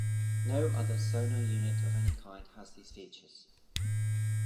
No other sonar unit of any kind had these features.